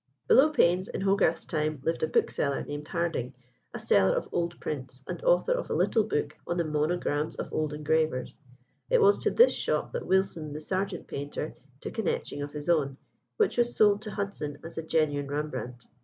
Below Payne's, in Hogarth's time, lived a bookseller named Harding, a seller of old prints, and author of a little book on the Monograms of Old Engravers. It was to this shop that Wilson, the sergeant painter, took an etching of his own, which was sold to Hudson as a genuine Rembrandt.